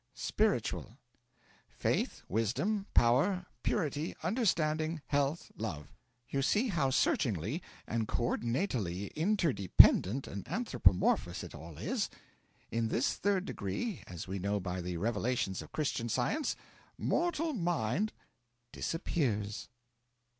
Spiritual Faith, wisdom, power, purity, understanding, health, love. You see how searchingly and co ordinately interdependent and anthropomorphous it all is. In this Third Degree, as we know by the revelations of Christian Science, mortal mind disappears.'